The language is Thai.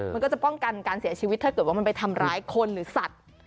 มันก็จะป้องกันการเสียชีวิตถ้าเกิดว่ามันไปทำร้ายคนหรือสัตว์